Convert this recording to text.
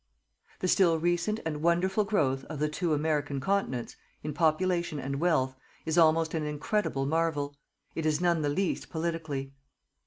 The still recent and wonderful growth of the two American continents, in population and wealth, is almost an incredible marvel. It is none the least politically.